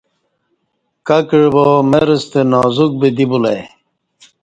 کہ کعبا مر ستہ نازک بدی بلہ ای